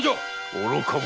愚か者。